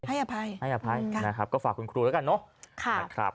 ให้อภัยนะครับก็ฝากคุณครูแล้วกันเนอะนะครับครับ